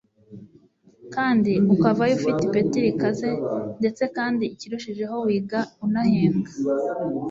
kandi ukavayo ufite ipeti rikaze ndetse kandi ikirushijeho wiga unahembwa